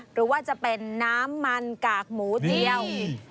หรือว่าจะเป็นน้ำมันกากหมูเจียว